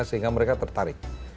sehingga mereka tertarik